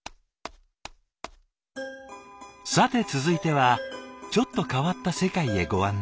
さて続いてはちょっと変わった世界へご案内。